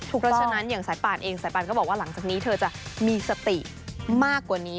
เพราะฉะนั้นอย่างสายป่านเองสายปานก็บอกว่าหลังจากนี้เธอจะมีสติมากกว่านี้